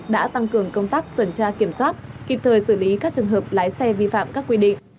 đã tăng cường công tác tuần tra kiểm soát kịp thời xử lý các trường hợp lái xe vi phạm các quy định